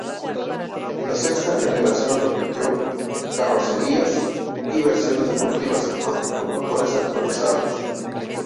La sexta generación repitió carrocerías y versiones deportivas, aunque con motores actualizados.